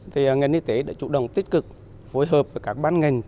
thì ngành y tế đã chủ động tích cực phối hợp với các ban ngành